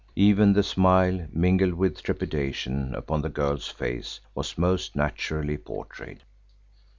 Even the smile mingled with trepidation upon the girl's face was most naturally portrayed.